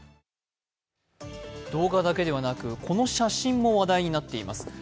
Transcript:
動画だけではなく、この写真も話題になっています。